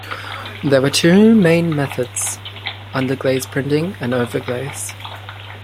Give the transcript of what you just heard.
There were two main methods, underglaze printing and overglaze.